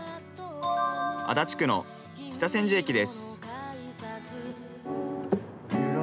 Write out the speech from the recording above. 足立区の北千住駅です。